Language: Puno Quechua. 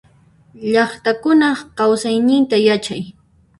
Llaqtakunaq kausayninta yachay.